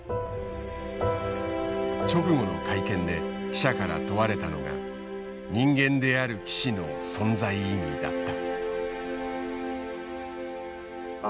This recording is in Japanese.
直後の会見で記者から問われたのが人間である棋士の存在意義だった。